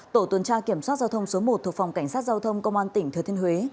tổ tuần tra kiểm soát giao thông số một thuộc phòng cảnh sát giao thông công an tỉnh thừa thiên huế